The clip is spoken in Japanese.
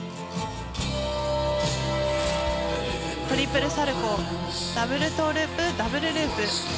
トリプルサルコウダブルトウループダブルループ。